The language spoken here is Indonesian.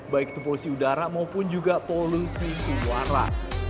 baik itu polusi udara maupun juga polusi suara